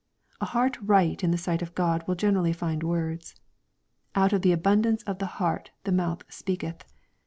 A heart right in the sight of God will generially find words. " Out of the abun dance of the heart the mouth speaketh."